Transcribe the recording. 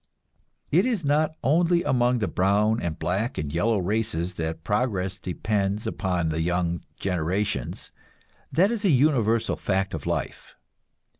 It is not only among the brown and black and yellow races that progress depends upon the young generations; that is a universal fact of life.